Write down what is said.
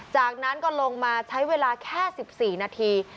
จากนั้นก็ลงมาใช้เวลาแค่๑๔นาที